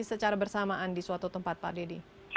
secara bersamaan di suatu tempat pak dedy